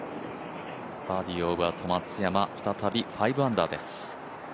バーディーを奪うと松山、再び５アンダーです。